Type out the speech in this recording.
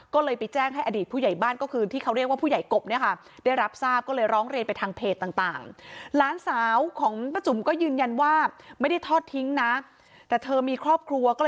ก็เลยไปแจ้งให้อดีตผู้ใหญ่บ้านก็คือที่เขาเรียกว่าผู้ใหญ่กบ